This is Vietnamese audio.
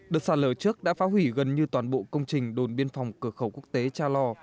đợt sạt lở trước đã phá hủy gần như toàn bộ công trình đồn biên phòng cửa khẩu quốc tế cha lo